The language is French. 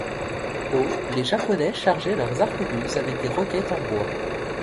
Au les Japonais chargeaient leurs arquebuses avec des roquettes en bois.